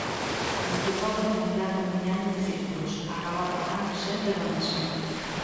Preocupábame andar camiñando en círculos, acabar falando sempre do mesmo.